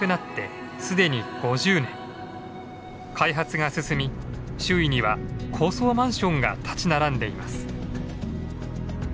開発が進み周囲には高層マンションが立ち並んでいます。